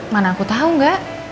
mana aku tau nggak